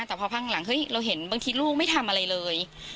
แต่พอข้างหลังเฮ้ยเราเห็นบางทีลูกไม่ทำอะไรเลย